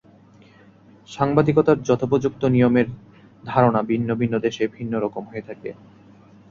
সাংবাদিকতার যথোপযুক্ত নিয়মের ধারণা ভিন্ন ভিন্ন দেশে ভিন্ন রকম হয়ে থাকে।